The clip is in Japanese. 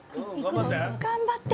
頑張って。